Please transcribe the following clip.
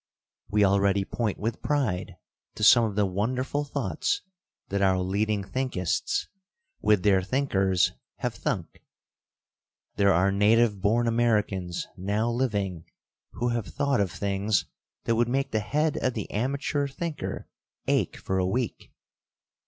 We already point with pride to some of the wonderful thoughts that our leading thinkists, with their thinkers, have thunk. There are native born Americans now living, who have thought of things that would make the head of the amateur thinker ache for a week.